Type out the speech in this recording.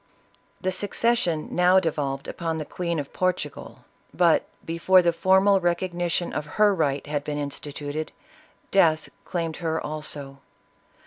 The succession now devolved upon the Queen of Portugal, but before the formal recognition of her right had been instituted, death claimed her also.